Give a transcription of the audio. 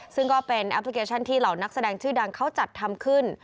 ซึ่งก็เป็นแอปพลิเคชันที่เหล่านักแสดงชื่อดังเขาจัดทำขึ้น